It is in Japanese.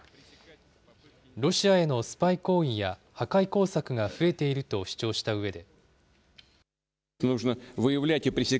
ロシアへのスパイ行為や破壊工作が増えていると主張したうえで。